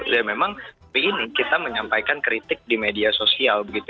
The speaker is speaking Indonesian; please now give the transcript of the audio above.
dan memang begini kita menyampaikan kritik di media sosial gitu ya